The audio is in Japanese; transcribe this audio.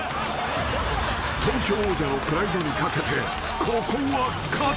［東京王者のプライドに懸けてここは勝つ］